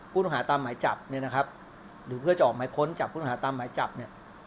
ผู้ต้องหาตามหมายจับเนี่ยนะครับหรือเพื่อจะออกหมายค้นจับผู้ต้องหาตามหมายจับเนี่ย